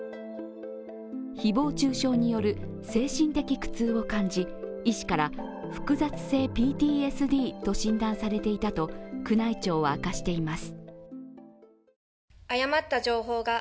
誹謗中傷による精神的苦痛を感じ、医師から複雑性ＰＴＳＤと診断されていたと宮内庁は明かしています。